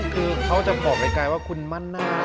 คือเขาจะบอกไกลว่าคุณมั่นหน้า